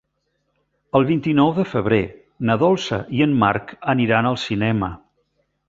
El vint-i-nou de febrer na Dolça i en Marc aniran al cinema.